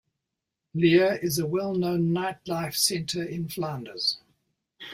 Lier is a well-known nightlife center in Flanders.